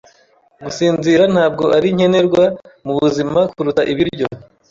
Gusinzira ntabwo ari nkenerwa mubuzima kuruta ibiryo.